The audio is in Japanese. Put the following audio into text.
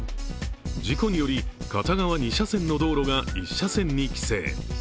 事故により片側２車線の道路が１車線に規制。